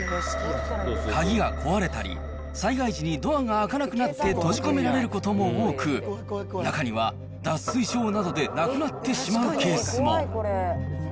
鍵が壊れたり、災害時にドアが開かなくなって閉じ込められることも多く、中には脱水症などで亡くなってしまうケースも。